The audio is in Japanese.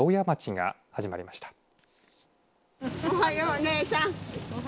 市が始まりました。